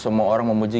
semua orang memuji